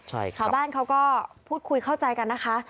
ชาวบ้านเขาก็พูดคุยเข้าใจกันนะคะ